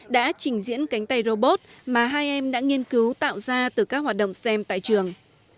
đã trình diễn cánh tay robot mà hai em đã nghiên cứu tạo ra từ các hoạt động stem tại trường